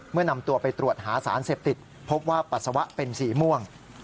นำตัวไปตรวจหาสารเสพติดพบว่าปัสสาวะเป็นสีม่วง